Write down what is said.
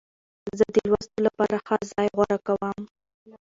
زه د لوستو لپاره ښه ځای غوره کوم.